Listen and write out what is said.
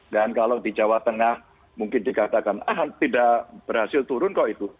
dan kalau di jawa tengah mungkin dikatakan ah tidak berhasil turun kok itu